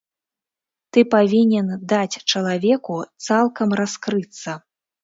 Ты павінен даць чалавеку цалкам раскрыцца.